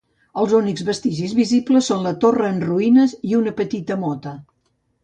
Els únics vestigis visibles són la torre en ruïnes i una petita mota.